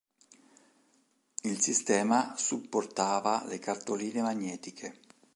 Il sistema supportava le cartoline magnetiche.